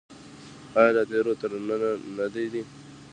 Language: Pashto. آیا له تیرو تر ننه نه دی؟